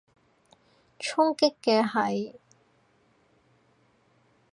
衝擊嘅係？